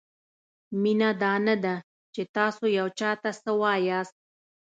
مینه دا نه ده؛ چې تاسو یو چاته څه وایاست؛